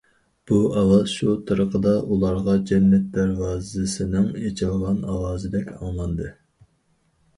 بۇ ئاۋاز شۇ تۇرقىدا ئۇلارغا جەننەت دەرۋازىسىنىڭ ئېچىلغان ئاۋازىدەك ئاڭلاندى.